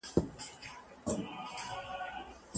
د باطلي لاري ګټه مه کوئ.